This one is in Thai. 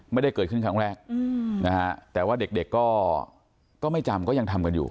ไม่ได้เกิดขึ้นครั้งแรกนะฮะแต่ว่าเด็กก็ไม่จำก็ยังทำกันอยู่